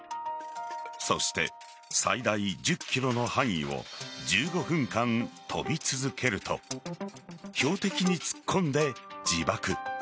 そして、最大１０ｋｍの範囲を１５分間飛び続けると標的に突っ込んで自爆。